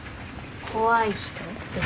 怖い人ですか？